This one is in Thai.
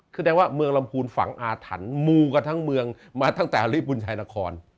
คือแสดงว่าเมืองลำพูนฝังอาถรรพ์มูกันทั้งเมืองมาตั้งแต่ริบุญชัยนคร